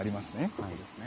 ここですね。